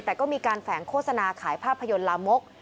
แต่ก็มีการแฝงโฆษณาขายภาพยนตร์ลามก